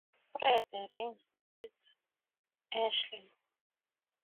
Fred reinstates Ashley.